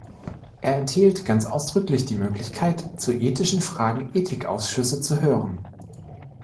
Er enthielt ganz ausdrücklich die Möglichkeit, zu ethischen Fragen Ethikausschüsse zu hören.